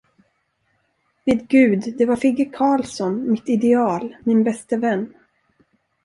Vid Gud, det var Figge Karlsson, mitt ideal, min bäste vän.